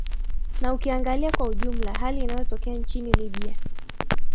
na ukiangalia kwa ujumla hali inayotokea nchini libya